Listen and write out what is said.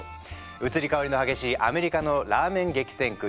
移り変わりの激しいアメリカのラーメン激戦区